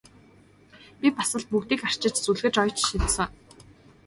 Би бас л бүгдийг арчиж зүлгэж оёж шидсэн!